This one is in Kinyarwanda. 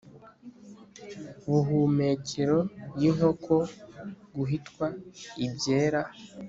buhumekero y inkoko guhitwa ibyera